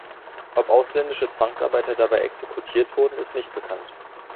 Ob ausländische Zwangsarbeiter dabei exekutiert wurden, ist nicht bekannt.